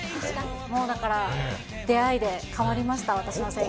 もうだから、出会いで変わりました、私の生活が。